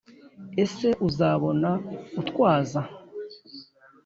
ese uzabona utwaza